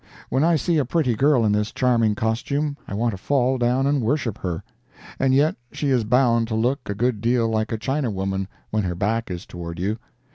When I see a pretty girl in this charming costume, I want to fall down and worship her. And yet she is bound to look a good deal like a Chinawoman when her back is toward you.